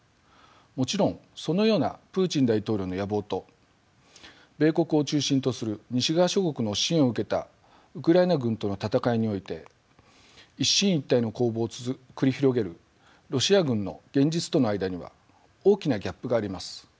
もちろんそのようなプーチン大統領の野望と米国を中心とする西側諸国の支援を受けたウクライナ軍との戦いにおいて一進一退の攻防を繰り広げるロシア軍の現実との間には大きなギャップがあります。